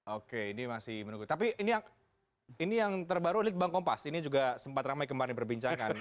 oke ini masih menunggu tapi ini yang terbaru litbang kompas ini juga sempat ramai kemarin perbincangkan